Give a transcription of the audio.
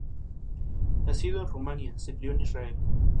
Es nativo de Tanzania a Mozambique.